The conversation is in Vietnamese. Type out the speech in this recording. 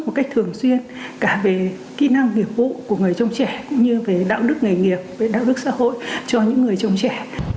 một cách thường xuyên cả về kỹ năng nghiệp vụ của người trông trẻ cũng như về đạo đức nghề nghiệp về đạo đức xã hội cho những người trồng trẻ